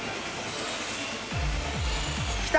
きた。